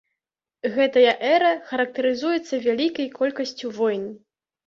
Гэтая эра характарызуецца вялікай колькасцю войн.